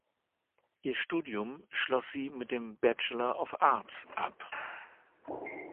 Ihr Studium schloss sie mit dem "Bachelor of Arts" ab.